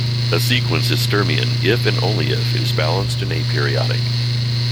A sequence is Sturmian if and only if it is balanced and aperiodic.